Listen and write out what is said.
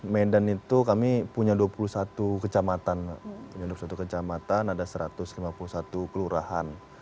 medan itu kami punya dua puluh satu kecamatan penyelundup satu kecamatan ada satu ratus lima puluh satu kelurahan